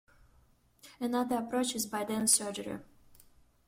Another approach is by Dehn surgery.